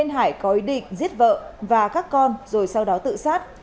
hải có ý định giết vợ và các con rồi sau đó tự sát